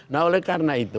nah oleh karena itu